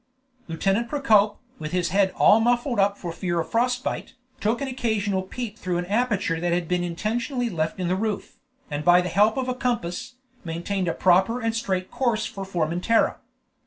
Lieutenant Procope, with his head all muffled up for fear of frost bite, took an occasional peep through an aperture that had been intentionally left in the roof, and by the help of a compass, maintained a proper and straight course for Formentera.